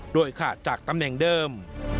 โดยขาดจากตำแหน่งเดิม